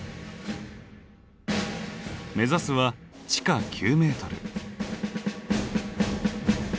目指すは地下９メートル。